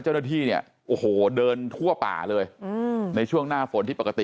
เจ้าหน้าที่เนี่ยโอ้โหเดินทั่วป่าเลยในช่วงหน้าฝนที่ปกติ